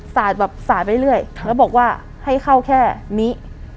แบบสาดไปเรื่อยแล้วบอกว่าให้เข้าแค่นี้